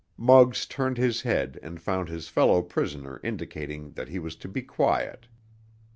Muggs turned his head and found his fellow prisoner indicating that he was to be quiet.